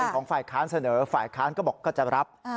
ของฝ่ายค้านเสนอฝ่ายค้านก็บอกก็จะรับ